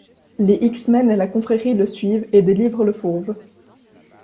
Les X-Men et la Confrérie le suivent et délivrent le Fauve.